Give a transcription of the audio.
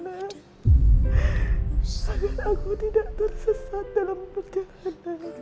agar aku tidak tersesat dalam perjalanan kehidupan ini ya allah